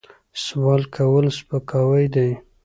سوال کول سپکاوی دی.